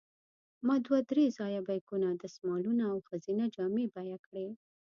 ما دوه درې ځایه بیکونه، دستمالونه او ښځینه جامې بیه کړې.